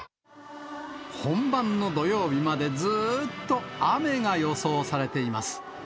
本番の土曜日までずーっと雨が予想されています。